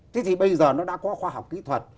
thế thì bây giờ nó đã có khoa học kỹ thuật